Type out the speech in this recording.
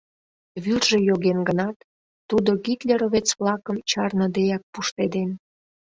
Вӱржӧ йоген гынат, тудо гитлеровец-влакым чарныдеак пуштеден...